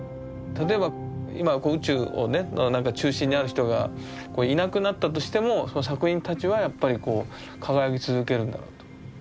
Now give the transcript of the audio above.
例えば今宇宙をねのなんか中心にある人がいなくなったとしてもその作品たちはやっぱりこう輝き続けるんだろうと。